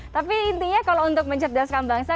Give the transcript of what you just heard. tapi intinya kalau untuk mencerdaskan bangsa